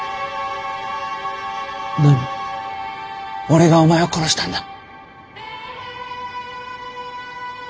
俺がお前を殺したんだ。